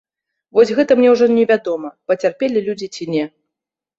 Вось гэта мне ўжо невядома, пацярпелі людзі ці не.